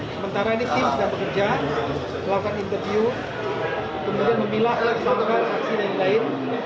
sementara ini tim sudah bekerja melakukan interview kemudian memilah elektronik dan aksi yang lain lain